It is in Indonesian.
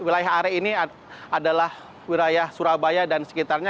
wilayah are ini adalah wilayah surabaya dan sekitarnya